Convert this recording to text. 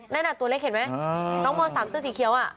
นั่นตัวเลขเห็นไหมน้องมอส๓ซื้อสีเขียว